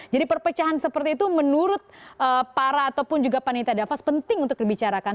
jadi perpecahan seperti itu menurut para ataupun juga panita davos penting untuk dibicarakan